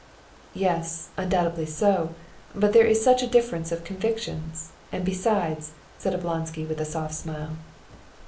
"Yes, undoubtedly so, but there is such a difference of convictions, and besides...." said Oblonsky with a soft smile.